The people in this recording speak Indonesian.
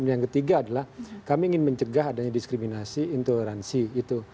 yang ketiga adalah kami ingin mencegah adanya diskriminasi intoleransi gitu